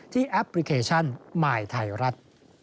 ที่แอปพลิเคชันหมายถ่ายรัฐ